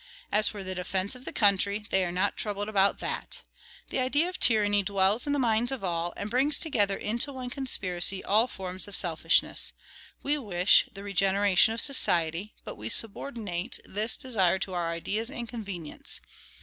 As for the defence of the country, they are not troubled about that. The idea of tyranny dwells in the minds of all, and brings together into one conspiracy all forms of selfishness. We wish the regeneration of society, but we subordinate this desire to our ideas and convenience.